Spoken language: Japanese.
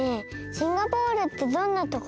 シンガポールってどんなところ？